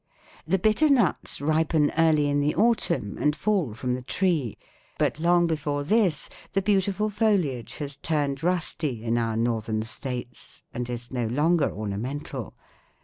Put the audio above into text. The bitter nuts ripen early in the autumn and fall from the tree, but long before this the beautiful foliage has turned rusty in our Northern States, and is no longer ornamental.